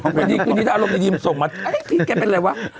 วันนี้อารมณ์ดีมันส่งมาพีคแกเป็นอะไรวะ